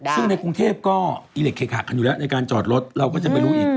ซึ่งในกรุงเทพก็อิเล็กเคหักกันอยู่แล้วในการจอดรถเราก็จะไม่รู้อีก